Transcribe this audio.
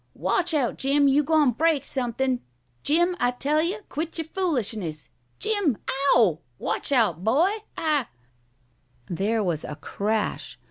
"Watch out, Jim! You gwine break something, Jim, I tell yer! Quit yer foolishness, Jim! Ow! Watch out, boy! I " There was a crash.